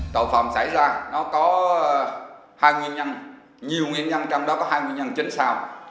tội phạm xảy ra nó có hai nguyên nhân nhiều nguyên nhân trong đó có hai nguyên nhân chính sao